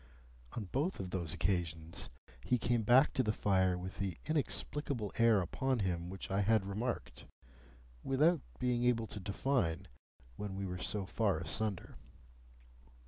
On both of those occasions, he came back to the fire with the inexplicable air upon him which I had remarked, without being able to define, when we were so far asunder.